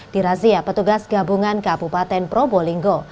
dirazia petugas gabungan kabupaten probolinggo